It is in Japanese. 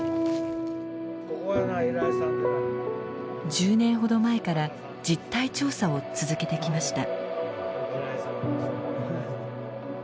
１０年ほど前から実態調査を続けてきました。